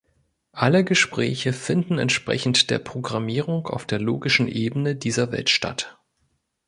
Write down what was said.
Alle Gespräche finden entsprechend der Programmierung auf der logischen Ebene dieser Welt statt.